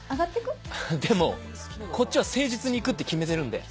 でもこっちは誠実にいくって決めてるんで。